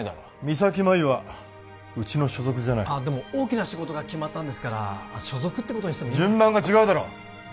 三咲麻有はうちの所属じゃないあでも大きな仕事が決まったんですから所属ってことにしても順番が違うだろ！